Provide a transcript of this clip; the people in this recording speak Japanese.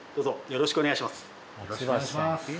よろしくお願いします